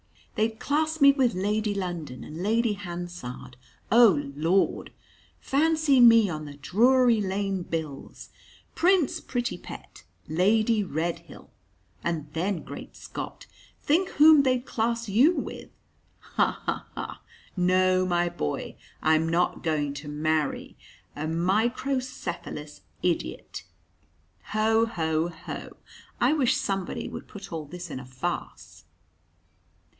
They'd class me with Lady London and Lady Hansard oh, Lord! Fancy me on the Drury Lane bills Prince Prettypet, Lady Redhill. And then, great Scot, think whom they'd class you with. Ha! ha! ha! No, my boy, I'm not going to marry a microcephalous idiot. Ho! ho! ho! I wish somebody would put all this in a farce."